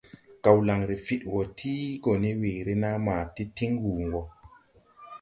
Gawlaŋre fiɗwɔɔ ti gɔ ne weere naa ma ti tiŋ wuu wɔ.